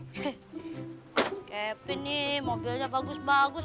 mas kevin nih mobilnya bagus bagus